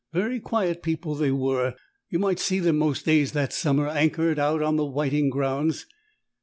Very quiet people they were. You might see them most days that summer, anchored out on the whiting grounds.